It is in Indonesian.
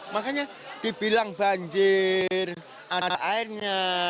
makanya dibilang banjir ada airnya